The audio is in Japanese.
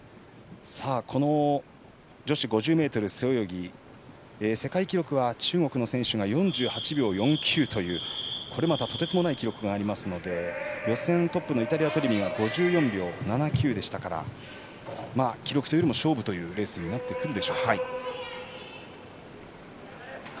この女子５０ｍ背泳ぎ世界記録は、中国の選手が４８秒４９というこれまた、とてつもない記録がありますので予選トップの、イタリアのトリミ５９秒７６でしたから記録というよりも勝負というレースになってくるでしょう。